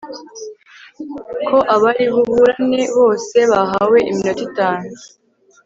ko abari buburane bose bahawe iminota itanu